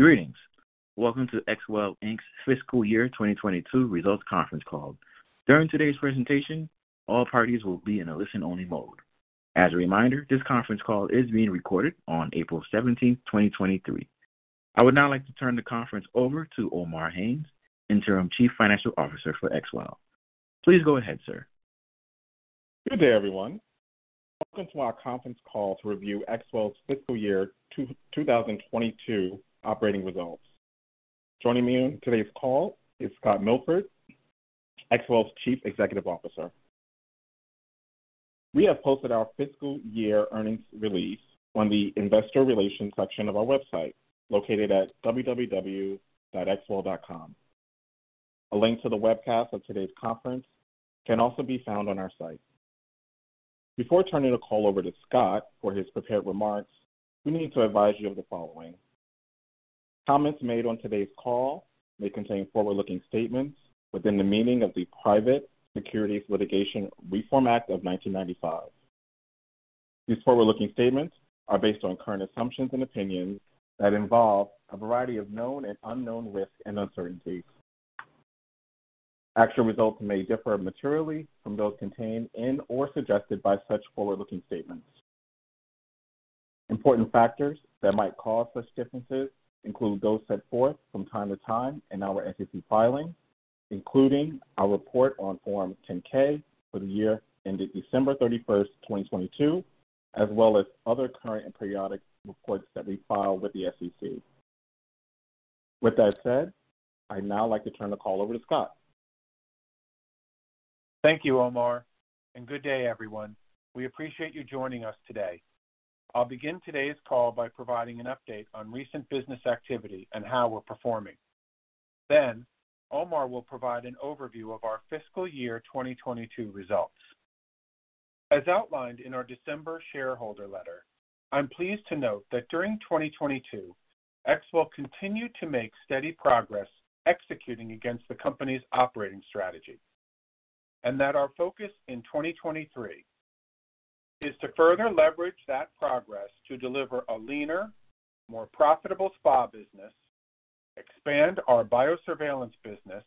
Greetings. Welcome to XWELL, Inc.'s fiscal year 2022 results conference call. During today's presentation, all parties will be in a listen-only mode. As a reminder, this conference call is being recorded on April 17th, 2023. I would now like to turn the conference over to Omar Haynes, Interim Chief Financial Officer for XWELL. Please go ahead, sir. Good day, everyone. Welcome to our conference call to review XWELL's fiscal year 2022 operating results. Joining me on today's call is Scott Milford, XWELL's Chief Executive Officer. We have posted our fiscal year earnings release on the investor relations section of our website located at www.xwell.com. A link to the webcast of today's conference can also be found on our site. Before turning the call over to Scott for his prepared remarks, we need to advise you of the following. Comments made on today's call may contain forward-looking statements within the meaning of the Private Securities Litigation Reform Act of 1995. These forward-looking statements are based on current assumptions and opinions that involve a variety of known and unknown risks and uncertainties. Actual results may differ materially from those contained in or suggested by such forward-looking statements. Important factors that might cause such differences include those set forth from time to time in our SEC filings, including our report on Form 10-K for the year ended December 31st, 2022, as well as other current and periodic reports that we file with the SEC. With that said, I'd now like to turn the call over to Scott. Thank you, Omar. Good day, everyone. We appreciate you joining us today. I'll begin today's call by providing an update on recent business activity and how we're performing. Omar will provide an overview of our fiscal year 2022 results. As outlined in our December shareholder letter, I'm pleased to note that during 2022, XWELL continued to make steady progress executing against the company's operating strategy, and that our focus in 2023 is to further leverage that progress to deliver a leaner, more profitable spa business, expand our biosurveillance business,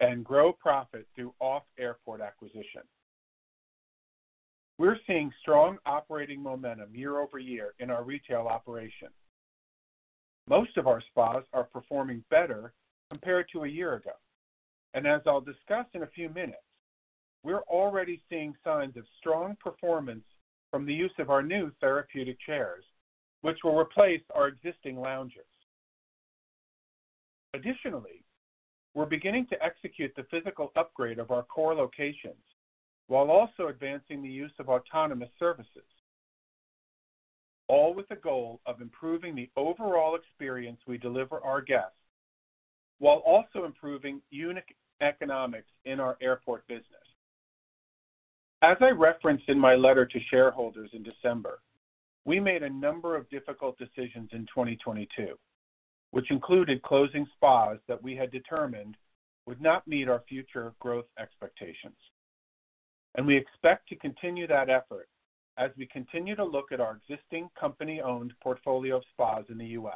and grow profit through off-airport acquisition. We're seeing strong operating momentum year-over-year in our retail operation. Most of our spas are performing better compared to a year ago. As I'll discuss in a few minutes, we're already seeing signs of strong performance from the use of our new therapeutic chairs, which will replace our existing loungers. Additionally, we're beginning to execute the physical upgrade of our core locations while also advancing the use of autonomous services, all with the goal of improving the overall experience we deliver our guests while also improving unit economics in our airport business. As I referenced in my letter to shareholders in December, we made a number of difficult decisions in 2022, which included closing spas that we had determined would not meet our future growth expectations. We expect to continue that effort as we continue to look at our existing company-owned portfolio of spas in the U.S.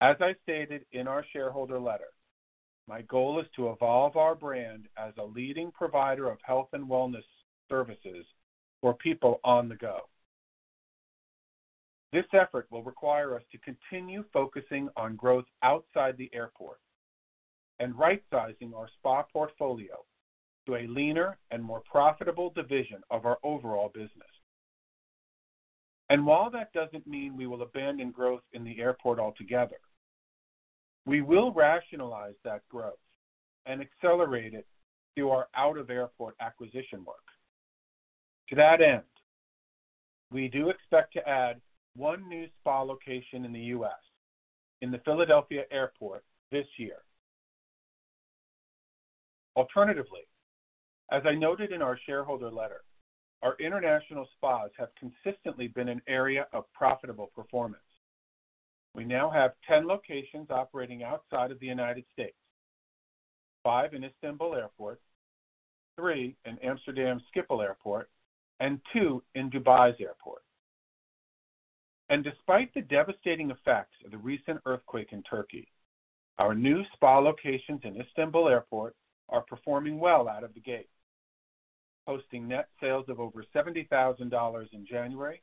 As I stated in our shareholder letter, my goal is to evolve our brand as a leading provider of health and wellness services for people on the go. This effort will require us to continue focusing on growth outside the airport and rightsizing our spa portfolio to a leaner and more profitable division of our overall business. While that doesn't mean we will abandon growth in the airport altogether, we will rationalize that growth and accelerate it through our out-of-airport acquisition work. To that end, we do expect to add 1 new spa location in the U.S. in the Philadelphia airport this year. Alternatively, as I noted in our shareholder letter, our international spas have consistently been an area of profitable performance. We now have 10 locations operating outside of the United States, 5 in Istanbul Airport, 3 in Amsterdam Schiphol Airport, and 2 in Dubai's airport. Despite the devastating effects of the recent earthquake in Turkey, our new spa locations in Istanbul Airport are performing well out of the gate, posting net sales of over $70,000 in January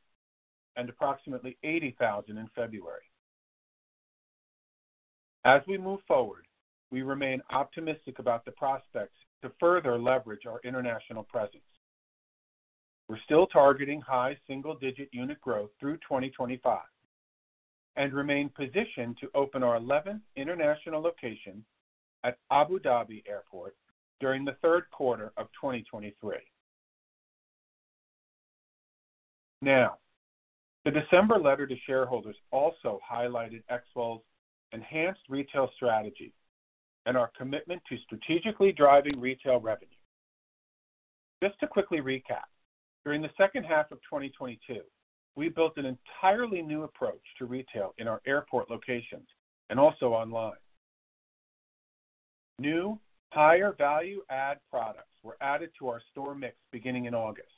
and approximately $80,000 in February. As we move forward, we remain optimistic about the prospects to further leverage our international presence. We're still targeting high single-digit unit growth through 2025 and remain positioned to open our 11th international location at Abu Dhabi Airport during the Q3 of 2023. The December letter to shareholders also highlighted XWELL's enhanced retail strategy and our commitment to strategically driving retail revenue. Just to quickly recap, during the H2 of 2022, we built an entirely new approach to retail in our airport locations and also online. New higher value add products were added to our store mix beginning in August.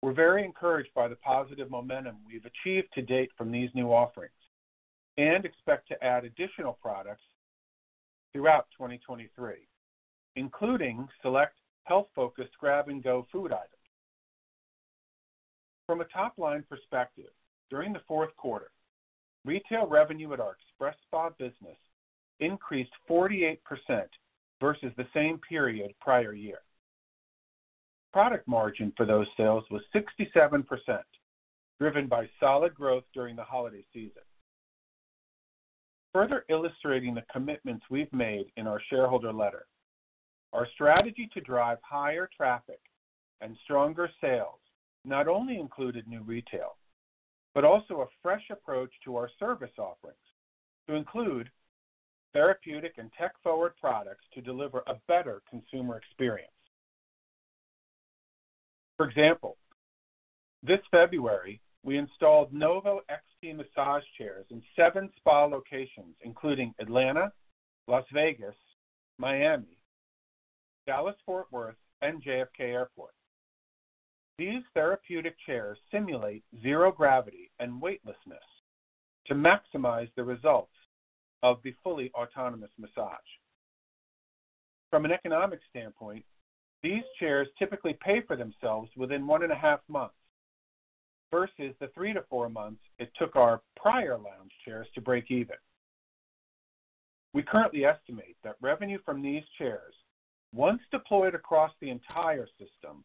We're very encouraged by the positive momentum we've achieved to date from these new offerings and expect to add additional products throughout 2023, including select health-focused grab-and-go food items. From a top-line perspective, during the Q4, retail revenue at our XpresSpa business increased 48% versus the same period prior year. Product margin for those sales was 67%, driven by solid growth during the holiday season. Further illustrating the commitments we've made in our shareholder letter, our strategy to drive higher traffic and stronger sales not only included new retail, but also a fresh approach to our service offerings to include therapeutic and tech-forward products to deliver a better consumer experience. For example, this February, we installed Novo XT massage chairs in seven spa locations, including Atlanta, Las Vegas, Miami, Dallas-Fort Worth, and JFK Airport. These therapeutic chairs simulate zero gravity and weightlessness to maximize the results of the fully autonomous massage. From an economic standpoint, these chairs typically pay for themselves within 1.5 months versus the 3-4 months it took our prior lounge chairs to break even. We currently estimate that revenue from these chairs, once deployed across the entire system,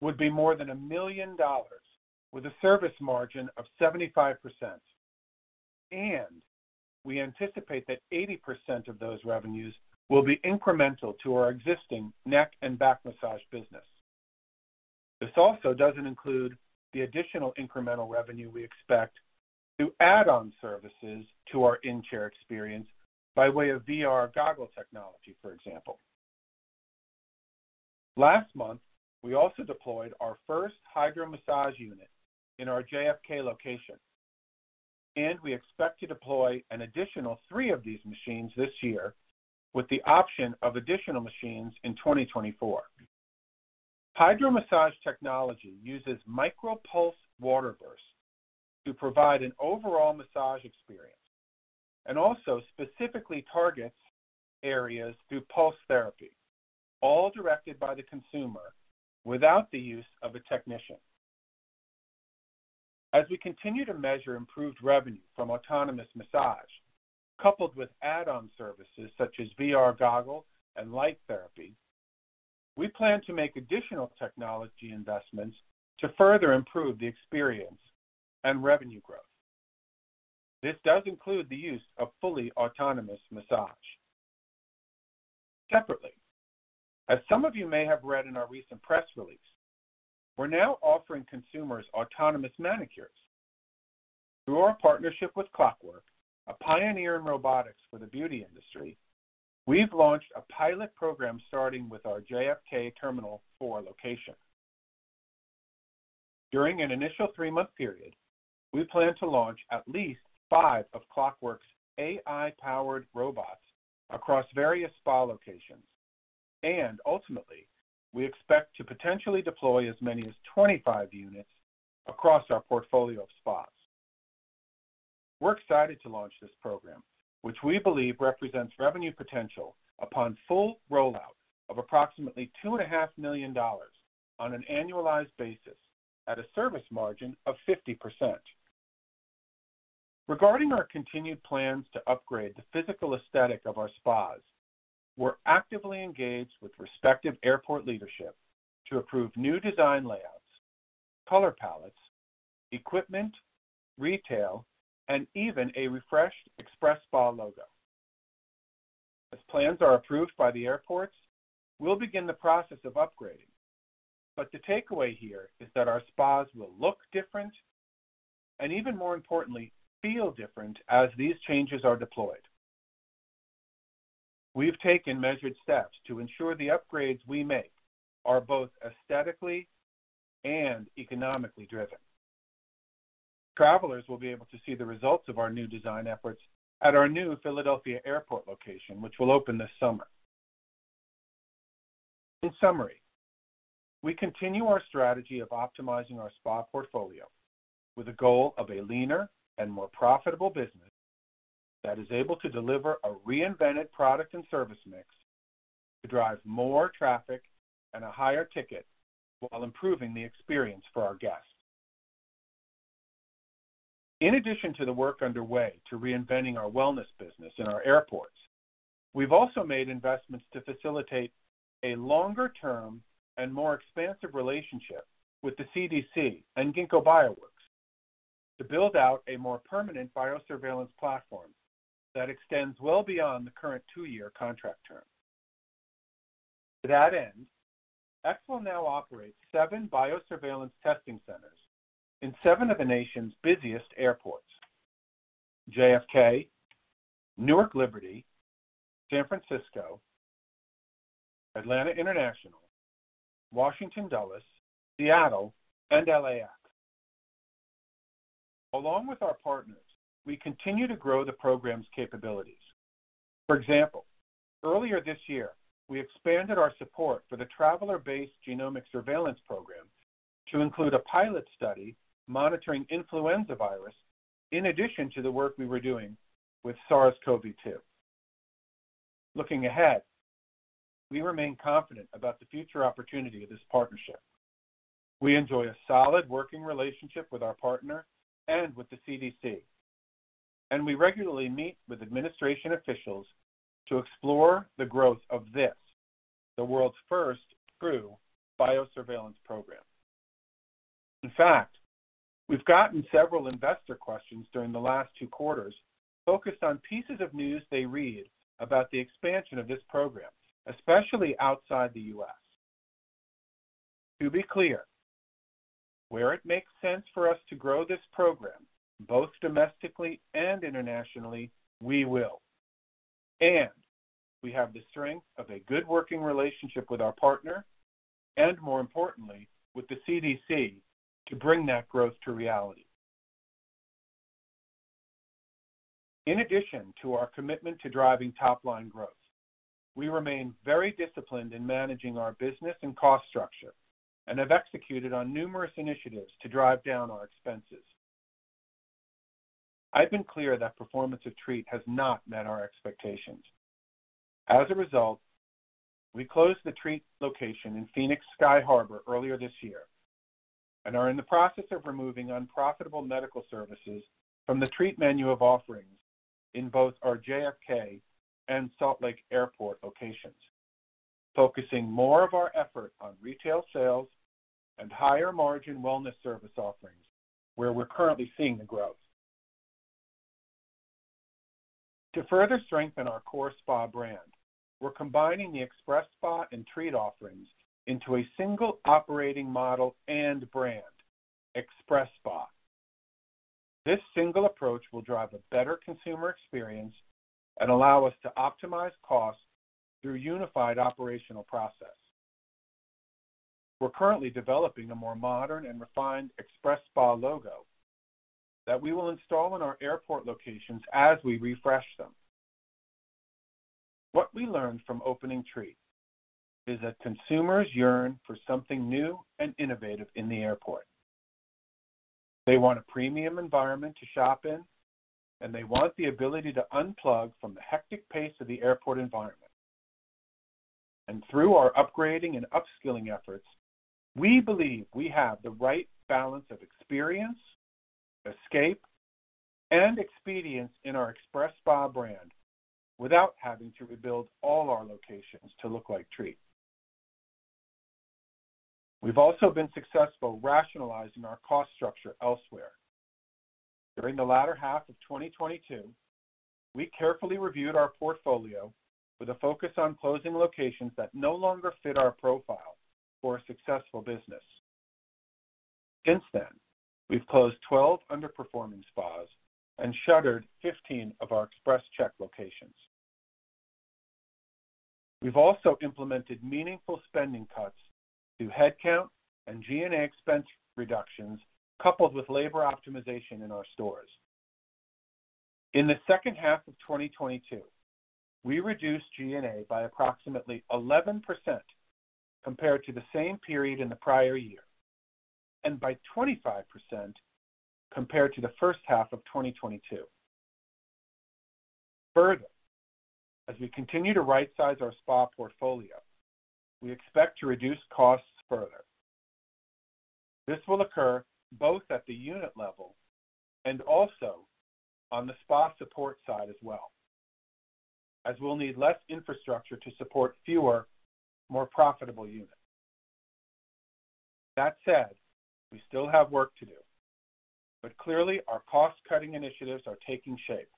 would be more than $1 million with a service margin of 75%, and we anticipate that 80% of those revenues will be incremental to our existing neck and back massage business. This also doesn't include the additional incremental revenue we expect to add on services to our in-chair experience by way of VR goggle technology, for example. Last month, we also deployed our first HydroMassage unit in our JFK location. We expect to deploy an additional three of these machines this year with the option of additional machines in 2024. HydroMassage technology uses micro-pulse water bursts to provide an overall massage experience and also specifically targets areas through pulse therapy, all directed by the consumer without the use of a technician. As we continue to measure improved revenue from autonomous massage, coupled with add-on services such as VR goggles and light therapy, we plan to make additional technology investments to further improve the experience and revenue growth. This does include the use of fully autonomous massage. Separately, as some of you may have read in our recent press release, we're now offering consumers autonomous manicures. Through our partnership with Clockwork, a pioneer in robotics for the beauty industry, we've launched a pilot program starting with our JFK Terminal 4 location. During an initial 3-month period, we plan to launch at least 5 of Clockwork's AI-powered robots across various spa locations. Ultimately, we expect to potentially deploy as many as 25 units across our portfolio of spas. We're excited to launch this program, which we believe represents revenue potential upon full rollout of approximately two and a half million dollars on an annualized basis at a service margin of 50%. Regarding our continued plans to upgrade the physical aesthetic of our spas, we're actively engaged with respective airport leadership to approve new design layouts, color palettes, equipment, retail, and even a refreshed XpresSpa logo. As plans are approved by the airports, we'll begin the process of upgrading. The takeaway here is that our spas will look different and, even more importantly, feel different as these changes are deployed. We've taken measured steps to ensure the upgrades we make are both aesthetically and economically driven. Travelers will be able to see the results of our new design efforts at our new Philadelphia Airport location, which will open this summer. In summary, we continue our strategy of optimizing our spa portfolio with the goal of a leaner and more profitable business that is able to deliver a reinvented product and service mix to drive more traffic and a higher ticket while improving the experience for our guests. In addition to the work underway to reinventing our wellness business in our airports, we've also made investments to facilitate a longer-term and more expansive relationship with the CDC and Ginkgo Bioworks to build out a more permanent biosurveillance platform that extends well beyond the current two-year contract term. To that end, XWELL now operates seven biosurveillance testing centers in seven of the nation's busiest airports: JFK, Newark Liberty, San Francisco, Atlanta International, Washington Dulles, Seattle, and LAX. Along with our partners, we continue to grow the program's capabilities. For example, earlier this year, we expanded our support for the traveler-based genomic surveillance program to include a pilot study monitoring influenza virus in addition to the work we were doing with SARS-CoV-2. Looking ahead, we remain confident about the future opportunity of this partnership. We enjoy a solid working relationship with our partner and with the CDC, we regularly meet with administration officials to explore the growth of this, the world's first true biosurveillance program. In fact, we've gotten several investor questions during the last 2 quarters focused on pieces of news they read about the expansion of this program, especially outside the U.S. To be clear, where it makes sense for us to grow this program, both domestically and internationally, we will, we have the strength of a good working relationship with our partner and, more importantly, with the CDC to bring that growth to reality. In addition to our commitment to driving top-line growth, we remain very disciplined in managing our business and cost structure and have executed on numerous initiatives to drive down our expenses. I've been clear that performance of Treat has not met our expectations. As a result, we closed the Treat location in Phoenix Sky Harbor earlier this year and are in the process of removing unprofitable medical services from the Treat menu of offerings in both our JFK and Salt Lake Airport locations, focusing more of our effort on retail sales and higher-margin wellness service offerings, where we're currently seeing the growth. To further strengthen our core spa brand, we're combining the XpresSpa and Treat offerings into a single operating model and brand, XpresSpa. This single approach will drive a better consumer experience and allow us to optimize costs through unified operational process. We're currently developing a more modern and refined XpresSpa logo that we will install in our airport locations as we refresh them. What we learned from opening Treat is that consumers yearn for something new and innovative in the airport. They want a premium environment to shop in, and they want the ability to unplug from the hectic pace of the airport environment. Through our upgrading and upskilling efforts, we believe we have the right balance of experience, escape, and expedience in our XpresSpa brand without having to rebuild all our locations to look like Treat. We've also been successful rationalizing our cost structure elsewhere. During the latter half of 2022, we carefully reviewed our portfolio with a focus on closing locations that no longer fit our profile for a successful business. Since then, we've closed 12 underperforming spas and shuttered 15 of our XpresCheck locations. We've also implemented meaningful spending cuts through headcount and G&A expense reductions coupled with labor optimization in our stores. In the H2 of 2022, we reduced G&A by approximately 11% compared to the same period in the prior year, and by 25% compared to the H1 of 2022. Further, as we continue to right-size our spa portfolio, we expect to reduce costs further. This will occur both at the unit level and also on the spa support side as well, as we'll need less infrastructure to support fewer, more profitable units. That said, we still have work to do, but clearly our cost-cutting initiatives are taking shape.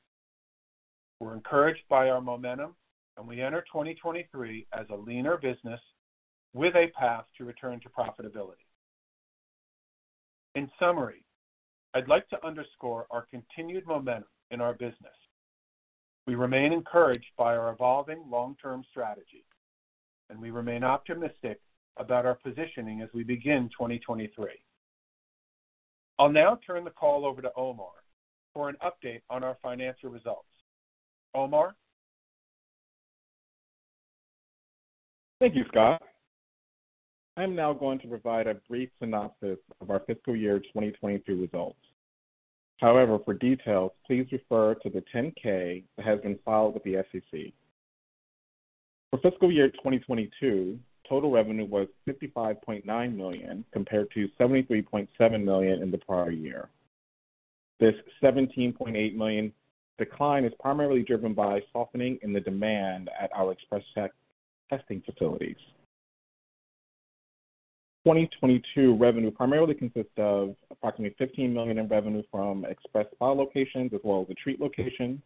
We're encouraged by our momentum, and we enter 2023 as a leaner business with a path to return to profitability. In summary, I'd like to underscore our continued momentum in our business. We remain encouraged by our evolving long-term strategy, and we remain optimistic about our positioning as we begin 2023. I'll now turn the call over to Omar for an update on our financial results. Omar? Thank you, Scott. I'm now going to provide a brief synopsis of our fiscal year 2022 results. For details, please refer to the 10-K that has been filed with the SEC. For fiscal year 2022, total revenue was $55.9 million compared to $73.7 million in the prior year. This $17.8 million decline is primarily driven by softening in the demand at our XpresCheck testing facilities. 2022 revenue primarily consists of approximately $15 million in revenue from XpresSpa locations as well as the Treat location,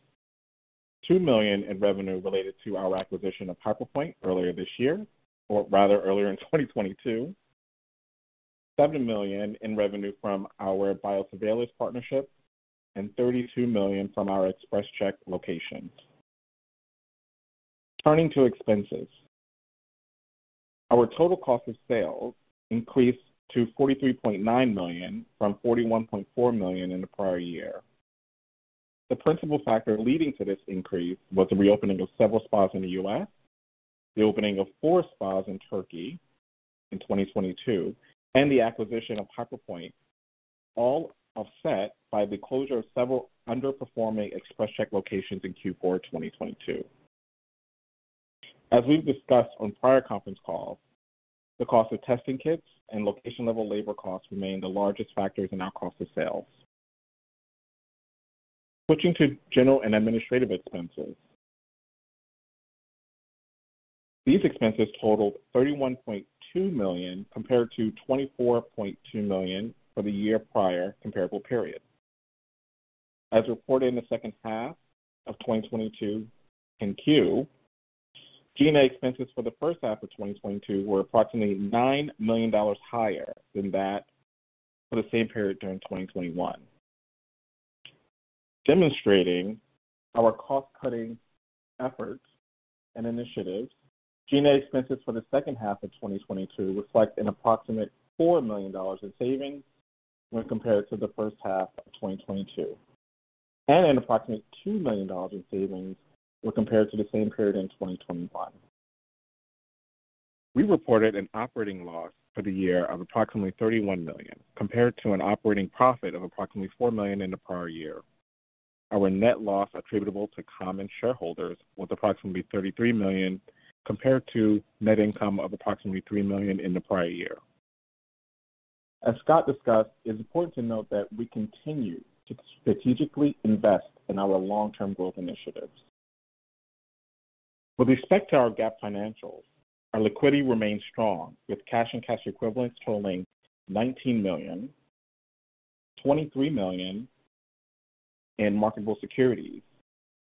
$2 million in revenue related to our acquisition of HyperPointe earlier this year, or rather earlier in 2022, $7 million in revenue from our biosurveillance partnership, and $32 million from our XpresCheck locations. Turning to expenses. Our total cost of sales increased to $43.9 million from $41.4 million in the prior year. The principal factor leading to this increase was the reopening of several spas in the US, the opening of four spas in Turkey in 2022, and the acquisition of HyperPointe, all offset by the closure of several underperforming XpresCheck locations in Q4 2022. As we've discussed on prior conference calls, the cost of testing kits and location-level labor costs remain the largest factors in our cost of sales. Switching to general and administrative expenses. These expenses totaled $31.2 million compared to $24.2 million for the year prior comparable period. As reported in the H2 of 2022, G&A expenses for the H1 of 2022 were approximately $9 million higher than that for the same period during 2021. Demonstrating our cost-cutting efforts and initiatives, G&A expenses for the H2 of 2022 reflect an approximate $4 million in savings when compared to the H1 of 2022. An approximate $2 million in savings when compared to the same period in 2021. We reported an operating loss for the year of approximately $31 million, compared to an operating profit of approximately $4 million in the prior year. Our net loss attributable to common shareholders was approximately $33 million, compared to net income of approximately $3 million in the prior year. As Scott discussed, it's important to note that we continue to strategically invest in our long-term growth initiatives. With respect to our GAAP financials, our liquidity remains strong with cash and cash equivalents totaling $19 million, $23 million in marketable securities,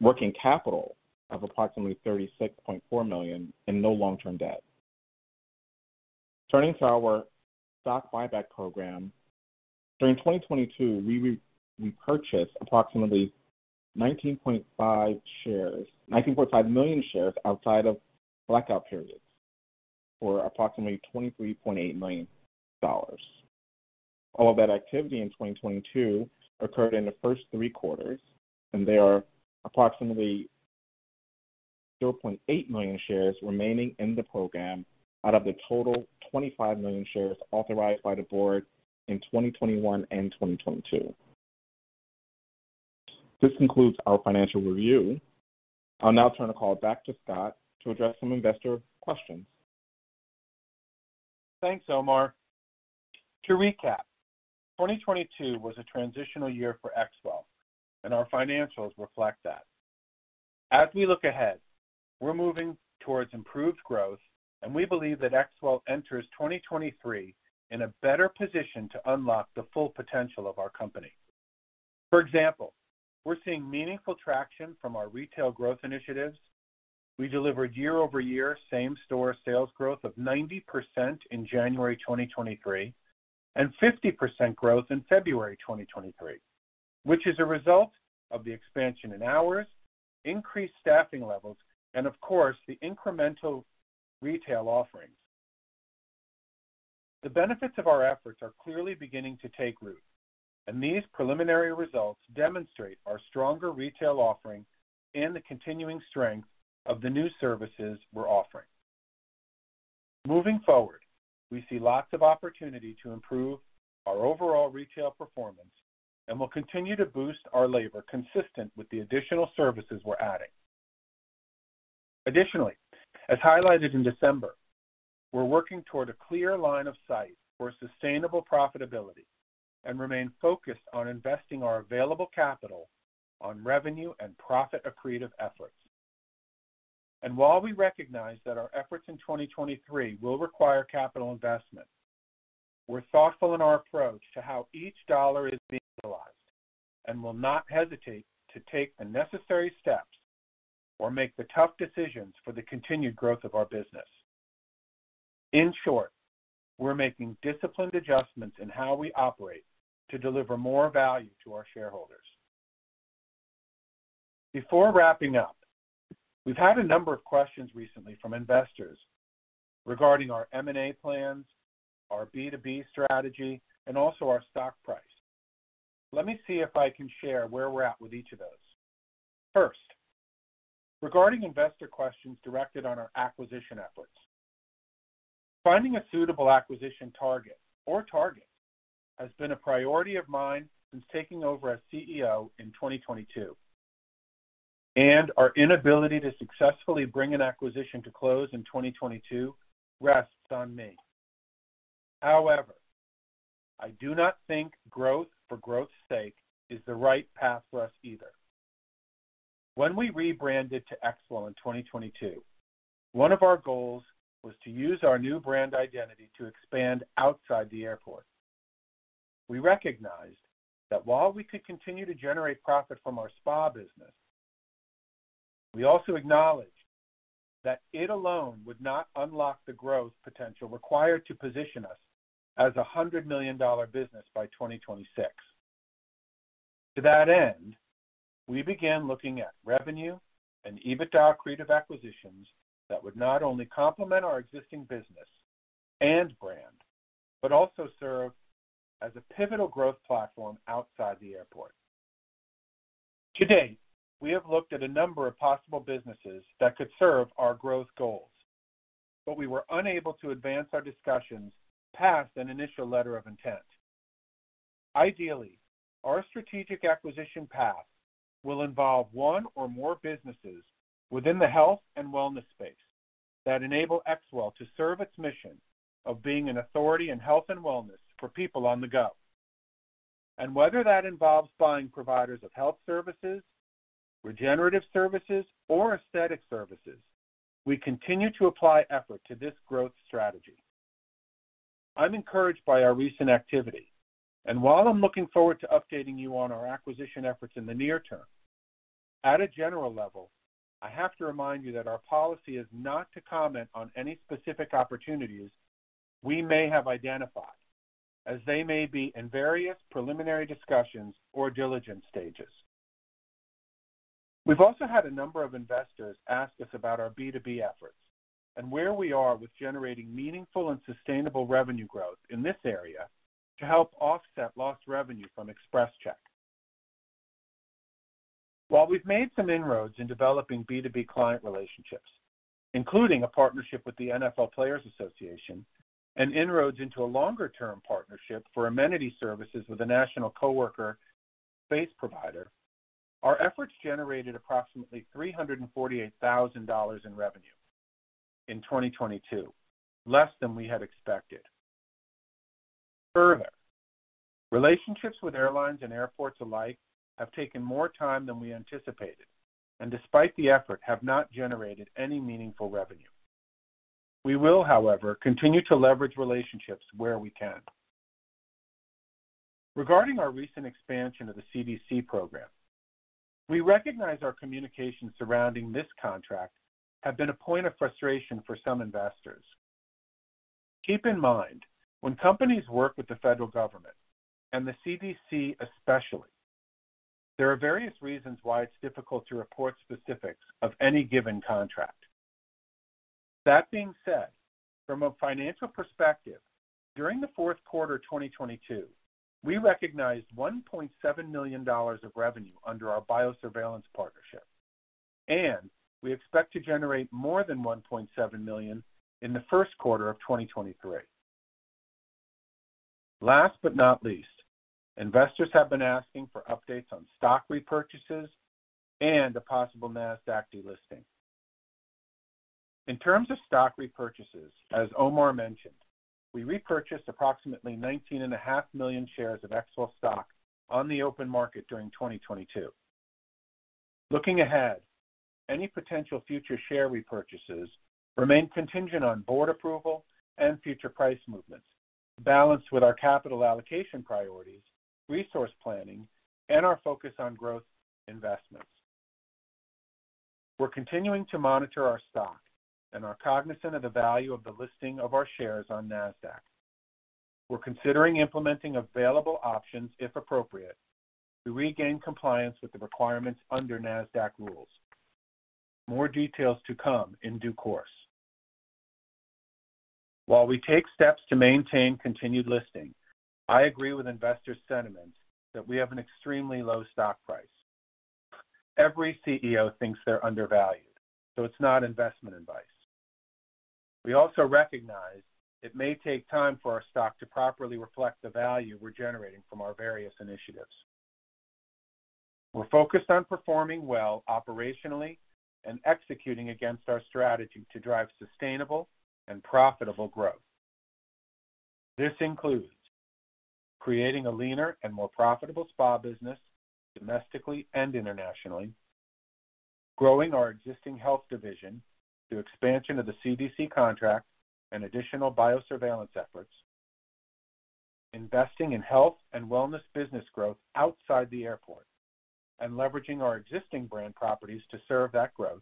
working capital of approximately $36.4 million, and no long-term debt. Turning to our stock buyback program. During 2022, we repurchased approximately 19.5 million shares outside of blackout periods for approximately $23.8 million. All of that activity in 2022 occurred in the first three quarters, there are approximately 0.8 million shares remaining in the program out of the total 25 million shares authorized by the board in 2021 and 2022. This concludes our financial review. I'll now turn the call back to Scott to address some investor questions. Thanks, Omar. To recap, 2022 was a transitional year for XWELL, our financials reflect that. As we look ahead, we're moving towards improved growth. We believe that XWELL enters 2023 in a better position to unlock the full potential of our company. For example, we're seeing meaningful traction from our retail growth initiatives. We delivered year-over-year same-store sales growth of 90% in January 2023 and 50% growth in February 2023. Which is a result of the expansion in hours, increased staffing levels, and of course, the incremental retail offerings. The benefits of our efforts are clearly beginning to take root. These preliminary results demonstrate our stronger retail offering and the continuing strength of the new services we're offering. Moving forward, we see lots of opportunity to improve our overall retail performance, and we'll continue to boost our labor consistent with the additional services we're adding. Additionally, as highlighted in December, we're working toward a clear line of sight for sustainable profitability and remain focused on investing our available capital on revenue and profit accretive efforts. While we recognize that our efforts in 2023 will require capital investment, we're thoughtful in our approach to how each dollar is being utilized and will not hesitate to take the necessary steps or make the tough decisions for the continued growth of our business. In short, we're making disciplined adjustments in how we operate to deliver more value to our shareholders. Before wrapping up, we've had a number of questions recently from investors regarding our M&A plans, our B2B strategy, and also our stock price. Let me see if I can share where we're at with each of those. First, regarding investor questions directed on our acquisition efforts. Finding a suitable acquisition target or targets has been a priority of mine since taking over as CEO in 2022, and our inability to successfully bring an acquisition to close in 2022 rests on me. I do not think growth for growth's sake is the right path for us either. When we rebranded to XWELL in 2022, one of our goals was to use our new brand identity to expand outside the airport. We recognized that while we could continue to generate profit from our spa business, we also acknowledged that it alone would not unlock the growth potential required to position us as a $100 million business by 2026. To that end, we began looking at revenue and EBITDA creative acquisitions that would not only complement our existing business and brand, but also serve as a pivotal growth platform outside the airport. Today, we have looked at a number of possible businesses that could serve our growth goals, but we were unable to advance our discussions past an initial letter of intent. Ideally, our strategic acquisition path will involve one or more businesses within the health and wellness space that enable XWELL to serve its mission of being an authority in health and wellness for people on the go. Whether that involves buying providers of health services, regenerative services, or aesthetic services, we continue to apply effort to this growth strategy. I'm encouraged by our recent activity, and while I'm looking forward to updating you on our acquisition efforts in the near term, at a general level, I have to remind you that our policy is not to comment on any specific opportunities we may have identified, as they may be in various preliminary discussions or diligence stages. We've also had a number of investors ask us about our B2B efforts and where we are with generating meaningful and sustainable revenue growth in this area to help offset lost revenue from XpresCheck. While we've made some inroads in developing B2B client relationships, including a partnership with the NFL Players Association and inroads into a longer-term partnership for amenity services with a national coworker space provider, our efforts generated approximately $348,000 in revenue in 2022, less than we had expected. Further, relationships with airlines and airports alike have taken more time than we anticipated and despite the effort, have not generated any meaningful revenue. We will, however, continue to leverage relationships where we can. Regarding our recent expansion of the CDC program, we recognize our communications surrounding this contract have been a point of frustration for some investors. Keep in mind, when companies work with the federal government, and the CDC especially, there are various reasons why it's difficult to report specifics of any given contract. That being said, from a financial perspective, during the Q4 2022, we recognized $1.7 million of revenue under our biosurveillance partnership. We expect to generate more than $1.7 million in the Q1 of 2023. Last but not least, investors have been asking for updates on stock repurchases and a possible Nasdaq delisting. In terms of stock repurchases, as Omar mentioned, we repurchased approximately nineteen and a half million shares of XWELL stock on the open market during 2022. Looking ahead, any potential future share repurchases remain contingent on board approval and future price movements balanced with our capital allocation priorities, resource planning, and our focus on growth investments. We're continuing to monitor our stock and are cognizant of the value of the listing of our shares on Nasdaq. We're considering implementing available options if appropriate to regain compliance with the requirements under Nasdaq rules. More details to come in due course. While we take steps to maintain continued listing, I agree with investors sentiments that we have an extremely low stock price. Every CEO thinks they're undervalued, so it's not investment advice. We also recognize it may take time for our stock to properly reflect the value we're generating from our various initiatives. We're focused on performing well operationally and executing against our strategy to drive sustainable and profitable growth. This includes creating a leaner and more profitable spa business domestically and internationally, growing our existing health division through expansion of the CDC contract and additional biosurveillance efforts, investing in health and wellness business growth outside the airport and leveraging our existing brand properties to serve that growth,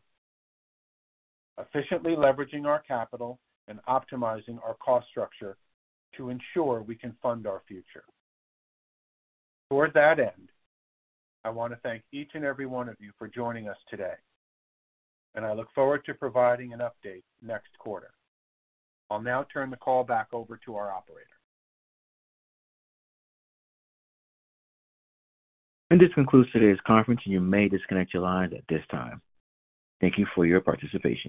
efficiently leveraging our capital and optimizing our cost structure to ensure we can fund our future. Toward that end, I wanna thank each and every one of you for joining us today, and I look forward to providing an update next quarter. I'll now turn the call back over to our operator. This concludes today's conference, and you may disconnect your lines at this time. Thank you for your participation.